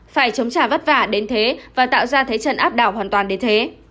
phải chống trả vất vả đến thế và tạo ra thế trận áp đảo hoàn toàn đến thế